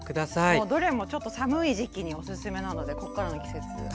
もうどれもちょっと寒い時期におすすめなのでこっからの季節おすすめです。